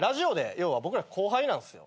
要は僕ら後輩なんすよ。